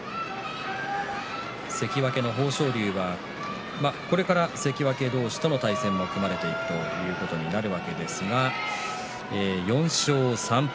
関脇の豊昇龍はこれから関脇同士の対戦も組まれていくということになるわけですが４勝３敗。